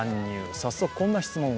早速、こんな質問を。